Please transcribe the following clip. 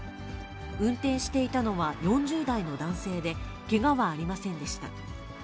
運転していたのは４０代の男性で、けがはありませんでした。